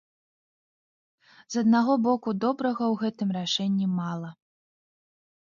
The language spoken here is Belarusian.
З аднаго боку, добрага ў гэтым рашэнні мала.